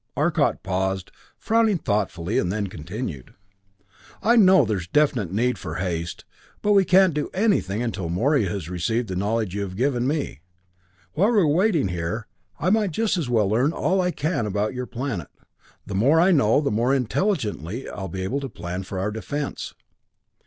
Arcot paused, frowning thoughtfully, then continued, "I know there's definite need for haste, but we can't do anything until Morey has received the knowledge you've given me. While we're waiting here, I might just as well learn all I can about your planet. The more I know, the more intelligently I'll be able to plan for our defense."